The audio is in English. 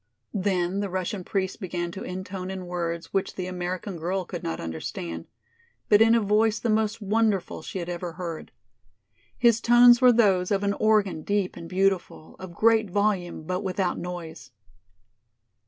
Then the Russian priest began to intone in words which the American girl could not understand, but in a voice the most wonderful she had ever heard. His tones were those of an organ deep and beautiful, of great volume but without noise.